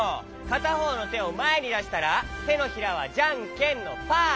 かたほうのてをまえにだしたらてのひらはじゃんけんのパー。